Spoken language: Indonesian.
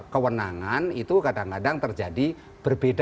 kewenangan itu kadang kadang terjadi berbeda